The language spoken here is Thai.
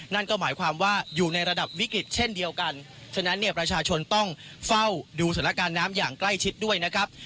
นั่นก็หมายความว่าอยู่ในระดับวิกฤตเช่นเดียวกันฉะนั้นเนี่ยประชาชนต้องเฝ้าดูสถานการณ์น้ำอย่างใกล้ชิดด้วยนะครับ